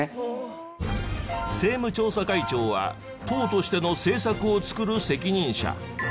政務調査会長は党としての政策を作る責任者。